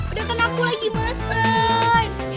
udah kan aku lagi masen